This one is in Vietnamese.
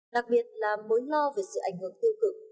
đặc biệt là mối lo về sự ảnh hưởng tiêu cực